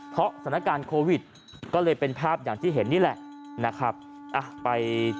เพราะสถานการณ์โควิดก็เลยเป็นภาพอย่างที่เห็นนี่แหละนะครับ